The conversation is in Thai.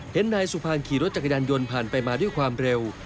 นายสุภานขี่รถจักรยานยนต์ผ่านไปมาด้วยความเร็ว